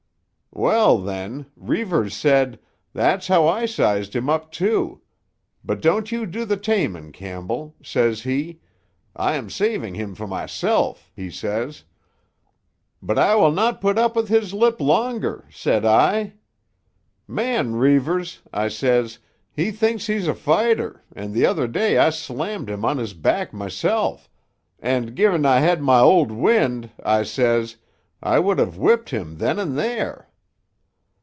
"Well, then—Reivers said: 'That's how I sized him up, too. But don't you do the taming, Campbell,' says he. 'I am saving him for mysel',' he says. 'But I will not put up with his lip longer,' said I. 'Man, Reivers,' I says, 'he thinks he's a fighter, and the other day I slammed him on his back mysel'; and gi'n I had my old wind,' I says, 'I would have whipped him then and there.